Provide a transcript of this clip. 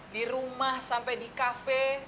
di rumah sampai di kafe